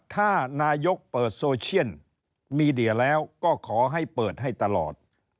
ถ้านายกเปิดโซเชียนมีเดียแล้วก็ขอให้เปิดให้ตลอด